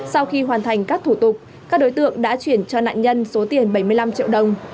sau khi hoàn thành các thủ tục các đối tượng đã chuyển cho nạn nhân số tiền bảy mươi năm triệu đồng